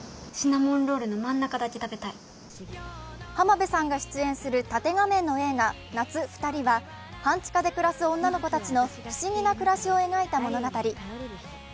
浜辺さんが出演する縦画面の映画「夏、ふたり」は半地下でクラス女の子たちの不思議な暮らしを描いた物語。